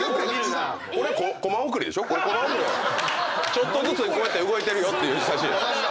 ちょっとずつこうやって動いてるよっていう写真。